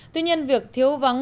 tuy nhiên việc thiếu vắng